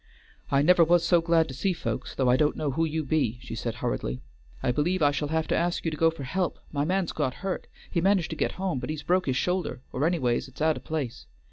"I never was so glad to see folks, though I don't know who you be," she said hurriedly. "I believe I shall have to ask you to go for help. My man's got hurt; he managed to get home, but he's broke his shoulder, or any ways 'tis out o' place.